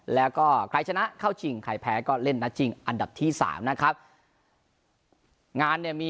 แล้วก็ใครชนะเข้าจริงใครแพ้ก็เล่นนะจริง